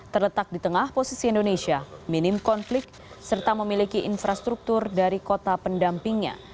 terletak di tengah posisi indonesia minim konflik serta memiliki infrastruktur dari kota pendampingnya